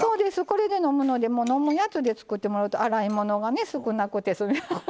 これで飲むので飲むやつで作ってもらうと洗い物がね少なくてすみまははははっ。